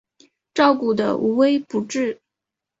照顾得无微不至